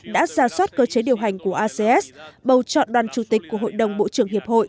đã ra soát cơ chế điều hành của acs bầu chọn đoàn chủ tịch của hội đồng bộ trưởng hiệp hội